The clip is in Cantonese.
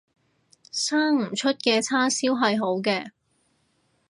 生唔出嘅叉燒係好嘅